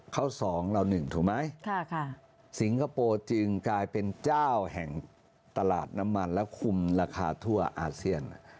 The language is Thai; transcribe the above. สองเราหนึ่งถูกไหมสิงคโปร์จึงกลายเป็นเจ้าแห่งตลาดน้ำมันและคุมราคาทั่วอาเซียน